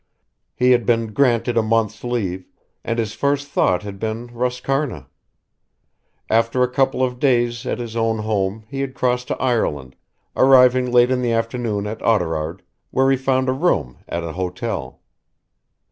He had been granted a month's leave, and his first thought had been Roscarna. After a couple of days at his own home he had crossed to Ireland, arriving late in the afternoon at Oughterard, where he found a room at an hotel.